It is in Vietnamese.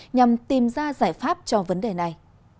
nhằm tìm ra giải pháp cho vấn đề này